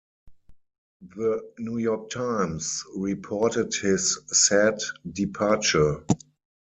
"The New York Times" reported his sad departure.